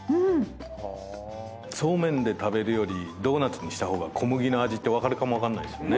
そうめんで食べるよりドーナツにした方が小麦の味って分かるかもわかんないっすよね。